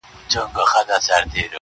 جانه ياره بس کړه ورله ورشه